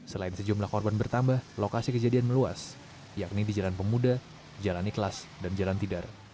selain sejumlah korban bertambah lokasi kejadian meluas yakni di jalan pemuda jalan ikhlas dan jalan tidar